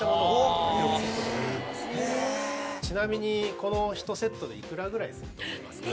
ちなみにこの１セットで幾らぐらいすると思いますか？